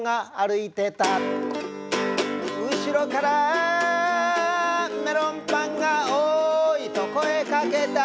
「後ろからメロンパンが『おい』と声かけた」